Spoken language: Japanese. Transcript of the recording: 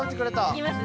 いきます？